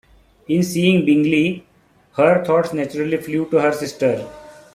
In seeing Bingley, her thoughts naturally flew to her sister.